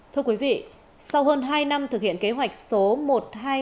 thưa quý vị sau hơn hai năm thực hiện kế hoạch số một mươi hai nghìn năm trăm chín mươi ba